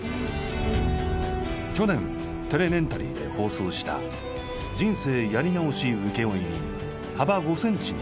去年『テレメンタリー』で放送した「“人生やり直し請負人”幅５センチの塀の上にて」。